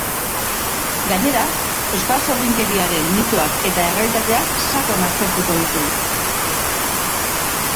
Gainera, euskal sorginkeriaren mitoak edo errealitateak sakon aztertuko ditu.